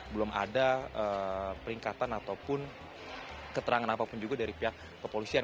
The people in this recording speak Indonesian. belum ada peringkatan ataupun keterangan apapun juga dari pihak kepolisian